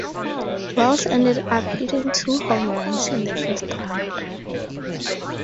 Wells ended up hitting two home runs in the first round.